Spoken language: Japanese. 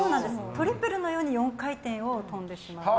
トリプルのように４回転を跳んでしまうんです。